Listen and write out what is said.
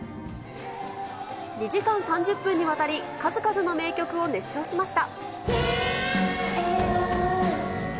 ２時間３０分にわたり、数々の名曲を熱唱しました。